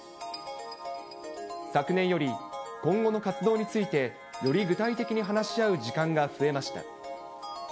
昨年より、今後の活動についてより具体的に話し合う時間が増えました。